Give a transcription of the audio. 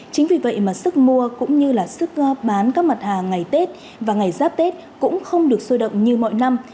chính vì vậy mà sức mua cũng như là sức bán các mặt hàng ngày tết và ngày giáp tết cũng không được sôi động như mọi năm